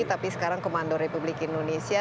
tapi sekarang komando republik indonesia